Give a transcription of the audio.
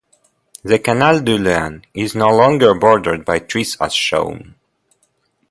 The Canal du Loing is no longer bordered by trees as shown.